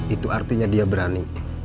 itu artinya dia berani